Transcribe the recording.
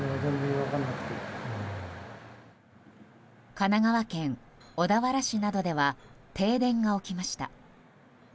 神奈川県小田原市などでは停電が起きました。